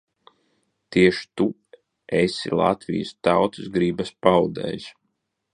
Tieši tu esi Latvijas tautas gribas paudējs.